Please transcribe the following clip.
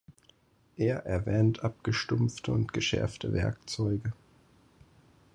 Er erwähnt abgestumpfte und geschärfte Werkzeuge.